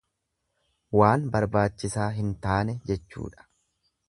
Waan barbaachisaa hin taane jechuudha.